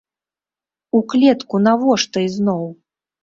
У клетку навошта ізноў?